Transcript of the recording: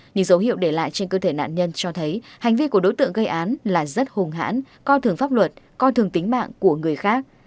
những dấu hiệu để lại trên cơ thể nạn nhân cho thấy hành vi của đối tượng gây án là rất hùng hãn coi thường pháp luật coi thường tính mạng của người khác